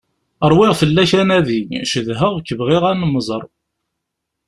Ṛwiɣ fell-ak anadi, cedheɣ-k, bɣiɣ ad nemmẓer.